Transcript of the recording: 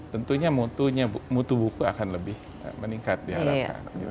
tentunya mutu buku akan lebih meningkat diharapkan